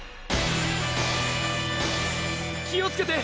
気をつけて！